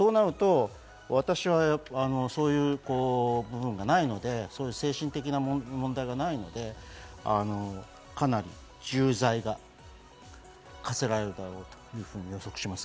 そうなると私は、そういう部分がないので、精神的な問題がないので、かなり重罪が科せられるだろうと予測します。